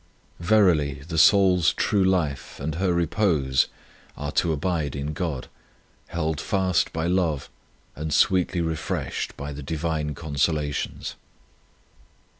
Verily the soul s true life and her repose are to abide in God, held fast by love, and sweetly refreshed by the Divine consola tions.